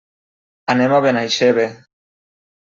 Anem a Benaixeve.